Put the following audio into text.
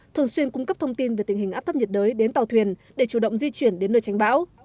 thường xuyên cung cấp thông tin về tình hình áp thấp nhiệt đới đến tàu thuyền để chủ động di chuyển đến nơi tránh bão